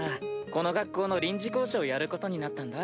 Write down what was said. この学校の臨時講師をやることになったんだ。